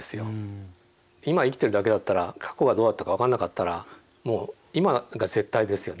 今生きてるだけだったら過去がどうだったか分かんなかったらもう今が絶対ですよね。